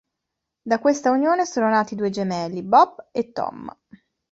Da questa unione sono nati due gemelli: Bob e Tom.